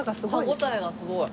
歯応えがすごい。